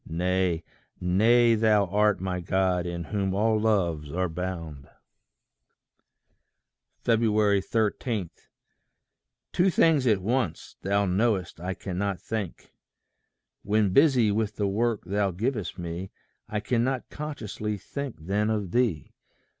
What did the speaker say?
Nay, nay thou art my God, in whom all loves are bound! 13. Two things at once, thou know'st I cannot think. When busy with the work thou givest me, I cannot consciously think then of thee.